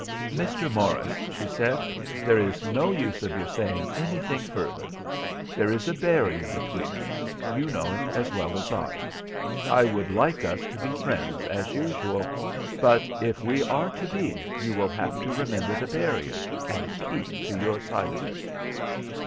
"Mr. Morris," she said, "there is no use of your saying anything further. There is a barrier between us; you know it as well as I. I would like us to be friends as usual; but, if we are to be, you will have to remember the barrier, and keep to your own side of it."